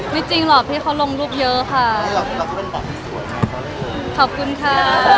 ไม่จริงหรอกเพียงที่เขาลงรูปเยอะค่ะ